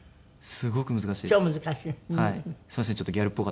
すごく難しいです。